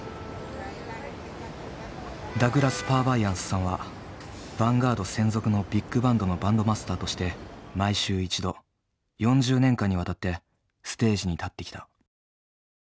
ダグラス・パーヴァイアンスさんはヴァンガード専属のビッグバンドのバンドマスターとして毎週１度４０年間にわたってステージに立ってきた。